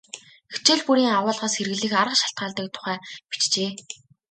Хичээл бүрийн агуулгаас хэрэглэх арга шалтгаалдаг тухай бичжээ.